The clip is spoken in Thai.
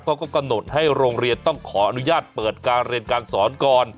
เขาก็กำหนดให้โรงเรียนต้องขออนุญาตเปิดการเรียนการสอนก่อน